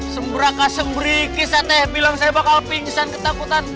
sembraka sembrikis ya teh bilang saya bakal pingsan ketakutan